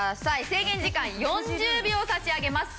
制限時間４０秒差し上げます。